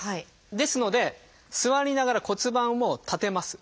ですので座りながら骨盤を立てます。